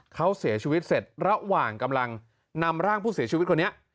เขาเสียชีวิตเสร็จระหว่างกำลังนำร่างผู้เสียชีวิตคนนี้